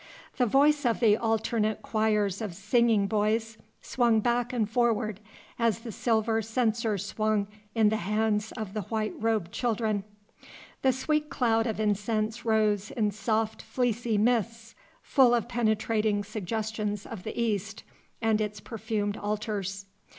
The voice of the alternate choirs of singing boys swung back and forward, as the silver censer swung in the hands of the white robed children. The sweet cloud of incense rose in soft, fleecy mists, full of penetrating suggestions of the East and its perfumed altars.